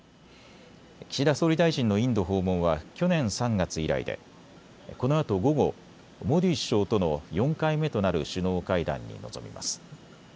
岸田総理大臣のインド訪問は去年３月以来でこのあと午後、モディ首相との４回目となる首脳会談に臨みます。